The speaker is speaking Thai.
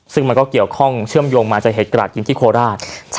ซึ่งมันก็เกี่ยวข้องเชื่อมโยงมาจากเหตุกระดยิงที่โคราช